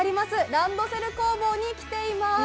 ランドセル工房に来ています。